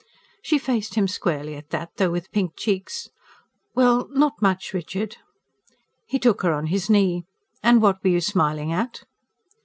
She faced him squarely at that, though with pink cheeks. "Well, not much, Richard." He took her on his knee. "And what were you smiling at?"